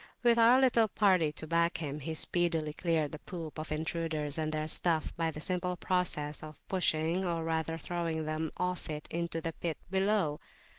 With our little party to back him, he speedily cleared the poop of intruders and their stuff by the simple process of pushing or rather throwing them off it into the pit below.